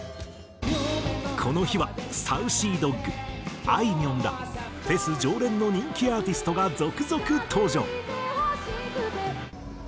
この日はＳａｕｃｙＤｏｇあいみょんらフェス常連の人気アーティストが続々登場。